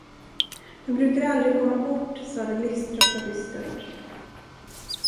Dom brukar aldrig komma bort, sade den livströtta dystert.